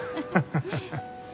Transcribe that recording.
ハハハハ。